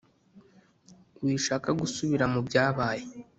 Wishaka gusubira mu byabaye